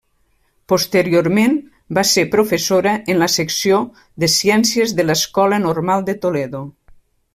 Posteriorment va ser professora en la Secció de Ciències de l'Escola Normal de Toledo.